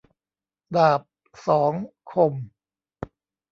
ดาบสองคม